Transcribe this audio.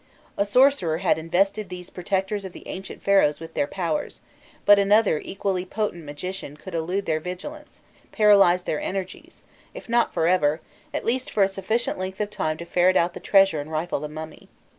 A sorcerer had invested these protectors of the ancient Pharaohs with their powers, but another equally potent magician could elude their vigilance, paralyze their energies, if not for ever, at least for a sufficient length of time to ferret out the treasure and rifle the mummy.